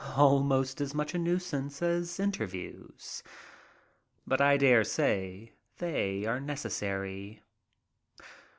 Almost as much a nuisance as interviews. But I dare say they are necessary.